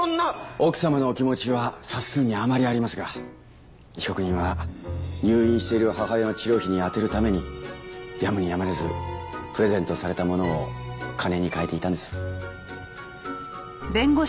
奥様のお気持ちは察するに余りありますが被告人は入院している母親の治療費に充てるためにやむにやまれずプレゼントされたものを金に換えていたんです。